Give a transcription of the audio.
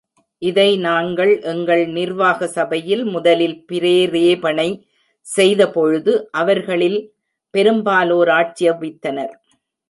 இதை நாங்கள் எங்கள் நிர்வாக சபையில் முதலில் பிரேரேபணை செய்த பொழுது, அவர்களில் பெரும் பாலோர் ஆட்சேபித்தனர்.